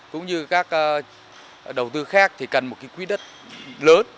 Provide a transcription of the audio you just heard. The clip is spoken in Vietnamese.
cũng như các đầu tư khác thì cần một cái quỹ đất lớn